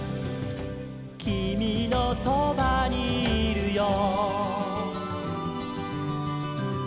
「きみのそばにいるよ」